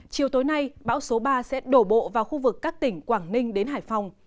chiều tối nay bão số ba sẽ đổ bộ vào khu vực các tỉnh quảng ninh đến hải phòng